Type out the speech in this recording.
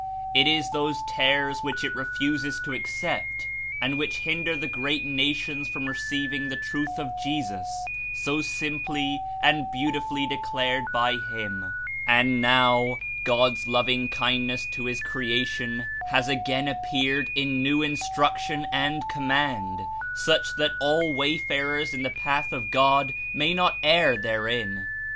It Is those tares which It refuses to accept and which hinder the great nations from receiving the truth of Jesus, so simply and beautifully declared by him. And now, God's loving kindness to his creation has again appeared in new Instruction and command, such that all "wayfarers" in the path of God may not err therein.